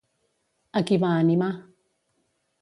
A qui va animar?